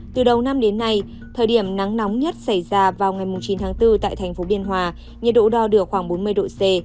từ đầu năm đến nay thời điểm nắng nóng nhất xảy ra vào ngày chín tháng bốn tại thành phố biên hòa nhiệt độ đo được khoảng bốn mươi độ c